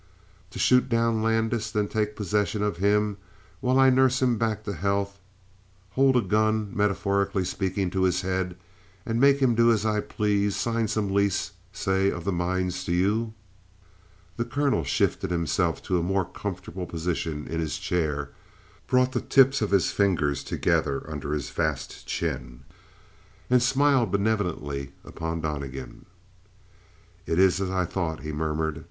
"To shoot down Landis, then take possession of him and while I nurse him back to health hold a gun metaphorically speaking to his head and make him do as I please: sign some lease, say, of the mines to you?" The colonel shifted himself to a more comfortable position in his chair, brought the tips of his fingers together under his vast chin, and smiled benevolently upon Donnegan. "It is as I thought," he murmured.